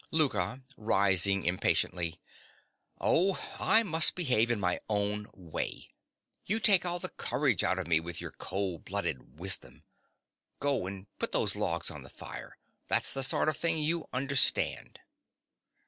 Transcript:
LOUKA. (rising impatiently). Oh, I must behave in my own way. You take all the courage out of me with your cold blooded wisdom. Go and put those logs on the fire: that's the sort of thing you understand.